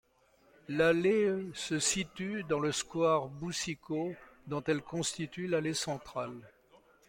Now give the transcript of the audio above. L'allée se situe dans le square Boucicaut dont elle constitue l'allée centrale.